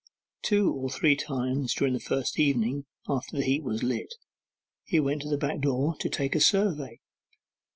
Two or three times during the first evening after the heap was lit, he went to the back door to take a survey.